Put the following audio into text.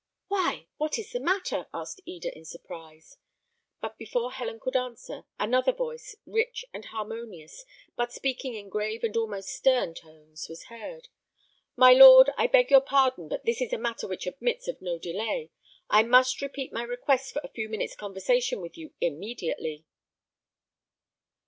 "Why, what is the matter?" asked Eda, in surprise; but before Helen could answer, another voice, rich and harmonious, but speaking in grave and almost stern tones, was heard. "My lord, I beg your pardon, but this is a matter which admits of no delay. I must repeat my request for a few minutes' conversation with you immediately."